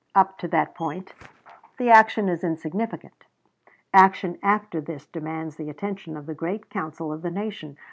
Up to that point the action is insignificant. Action after this demands the attention of the great council of the nation.